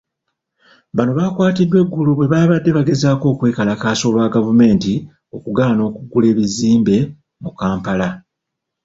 Bano baakwatiddwa eggulo bwe baabadde bagezaako okwekalakaasa olwa gavumenti okugaana okuggula ebizimbe mu Kampala.